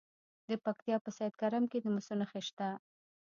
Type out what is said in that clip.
د پکتیا په سید کرم کې د مسو نښې شته.